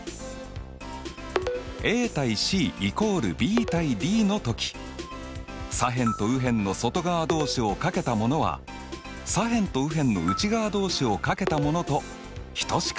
ａ：ｃ＝ｂ：ｄの時左辺と右辺の外側同士をかけたものは左辺と右辺の内側同士をかけたものと等しかったよね。